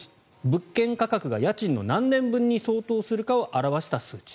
物件価格が家賃の何年分に相当するかを表した数値。